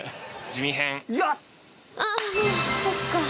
ああもうそっか。